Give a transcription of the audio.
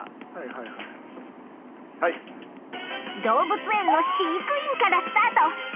動物園の飼育員からスタート！